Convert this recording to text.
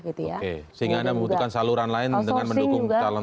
sehingga anda membutuhkan saluran lain dengan mendukung